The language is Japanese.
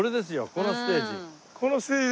このステージです。